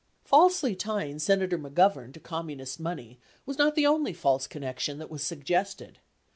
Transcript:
75 Falsely tying Senator McGovern to Communist money was not the only false connection that was suggested.